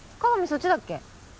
そっちだっけ？